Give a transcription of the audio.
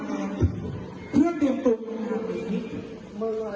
แต่คนทางอสิทธิ์ที่หนูคะแนนความสวยเต็มสิบหนูได้หกเหรอ